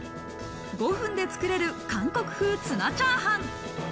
５分で作れる韓国風ツナチャーハン。